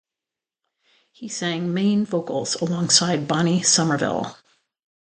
He sang main vocals alongside Bonnie Somerville.